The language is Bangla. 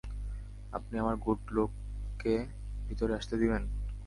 আপনি আমার গুড লাককে ভিতরে আসতে দিবেন?